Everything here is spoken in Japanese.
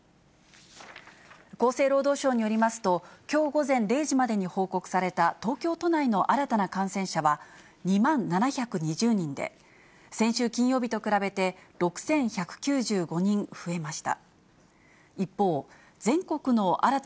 厚生労働省によりますと、きょう午前０時までに報告された東京都内の新たな感染者は、２万７２０人で、先週金曜日と比べて６１９５人増えました。